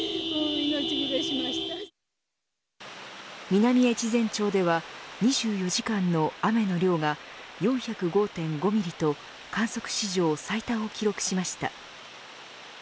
南越前町では２４時間の雨の量が４０５．５ミリと観測史上最多を記録しました。